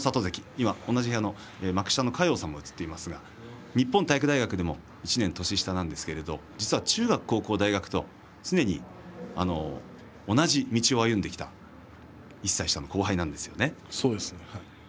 今、同じ部屋の幕下の嘉陽さんも写っていますが日本体育大学でも１つ上だったんですが中学、高校でも同じ道を歩んできた１歳下の後輩なんですよね。